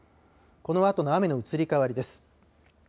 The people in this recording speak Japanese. このあとの雨の移り変わりです。